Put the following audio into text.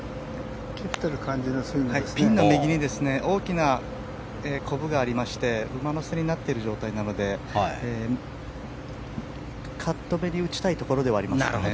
ピンの右に大きなこぶがありまして馬の背になってる状態なのでカットめに打ちたいところではありますね。